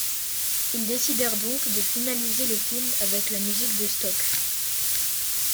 Ils décidèrent donc de finaliser le film avec la musique de stock.